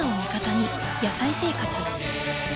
「野菜生活」